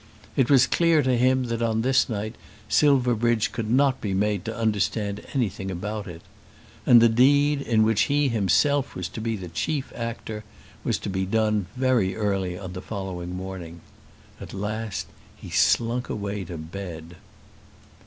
It was clear to him that on this night Silverbridge could not be made to understand anything about it. And the deed in which he himself was to be the chief actor was to be done very early in the following morning. At last he slunk away to bed.